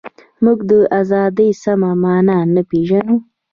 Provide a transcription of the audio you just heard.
موږ د ازادۍ سمه مانا نه پېژنو.